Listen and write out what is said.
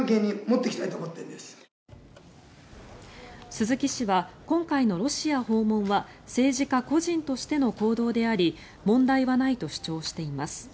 鈴木氏は今回のロシア訪問は政治家個人としての行動であり問題はないと主張しています。